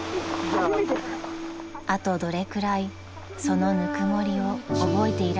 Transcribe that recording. ［あとどれくらいそのぬくもりを覚えていられるでしょう］